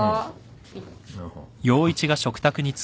はい。